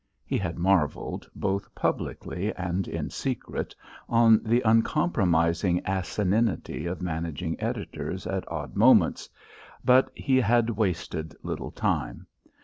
He had marvelled, both publicly and in secret, on the uncompromising asininity of managing editors at odd moments, but he had wasted little time.